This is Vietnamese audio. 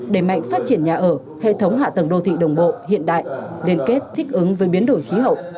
để mạnh phát triển nhà ở hệ thống hạ tầng đô thị đồng bộ hiện đại liên kết thích ứng với biến đổi khí hậu